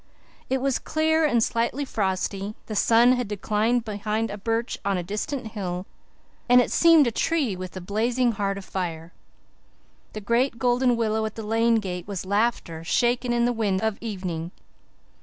It was clear and slightly frosty; the sun had declined behind a birch on a distant hill and it seemed a tree with a blazing heart of fire. The great golden willow at the lane gate was laughter shaken in the wind of evening.